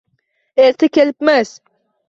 Erta kelibmiz.